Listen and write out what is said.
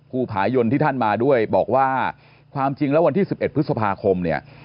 ผายนที่ท่านมาด้วยบอกว่าความจริงแล้ววันที่๑๑พฤษภาคมเนี่ย